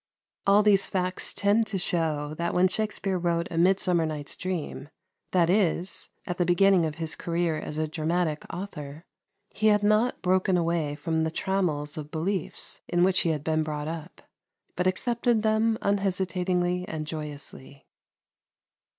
All these facts tend to show that when Shakspere wrote "A Midsummer Night's Dream," that is, at the beginning of his career as a dramatic author, he had not broken away from the trammels of the beliefs in which he had been brought up, but accepted them unhesitatingly and joyously.